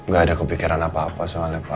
gak ada kepikiran apa apa soal apa